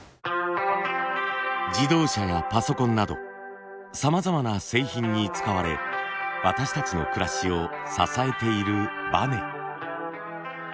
自動車やパソコンなどさまざまな製品に使われ私たちの暮らしを支えているバネ。